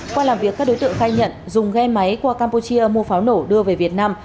qua làm việc các đối tượng khai nhận dùng ghe máy qua campuchia mua pháo nổ đưa về việt nam